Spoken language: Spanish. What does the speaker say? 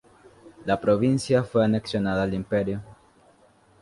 La provincia fue anexionada al Imperio.